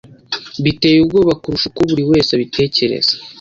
biteye ubwoba kurusha uko buri wese abitekereza.